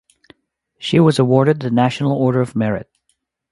She was awarded the National Order of Merit.